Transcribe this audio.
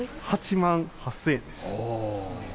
８万８０００円。